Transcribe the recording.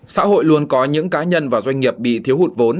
xã hội luôn có những cá nhân và doanh nghiệp bị thiếu hụt vốn